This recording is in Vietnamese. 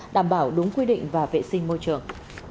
đảm bảo đúng quy định và vệ sinh môi trường